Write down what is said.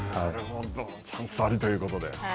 チャンスありということで。